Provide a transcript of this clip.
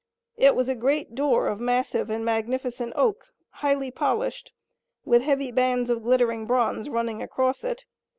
It was a great door of massive and magnificent oak, highly polished, with heavy bands of glittering bronze running across it.